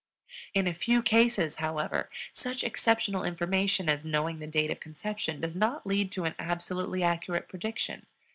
In a few cases, however, such exceptional information as knowing the date of conception does not lead to an absolutely accurate prediction.